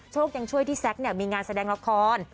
ยังช่วยที่แซ็กมีงานแสดงละคร